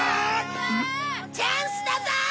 チャンスだぞ！